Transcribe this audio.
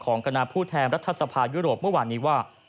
คณะผู้แทนรัฐสภายุโรปเมื่อวานนี้ว่า